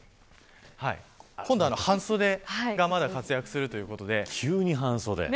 今度は半袖がまだ活躍するということで。